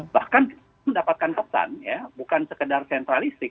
bahkan mendapatkan pesan ya bukan sekedar sentralistik